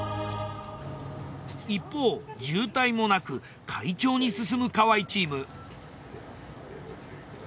一方渋滞もなく快調に進む河合チーム。